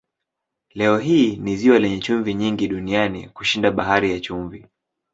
Leo hii ni ziwa lenye chumvi nyingi duniani kushinda Bahari ya Chumvi.